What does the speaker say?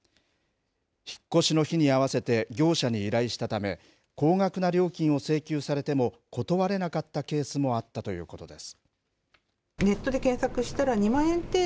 引っ越しの日に合わせて業者に依頼したため高額な料金を請求されても断れなかったケースもあったということです。